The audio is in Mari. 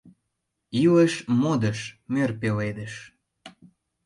Илыш — модыш, мӧр пеледыш.